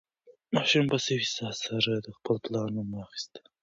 ماشوم په سوې ساه سره د خپل پلار نوم واخیست.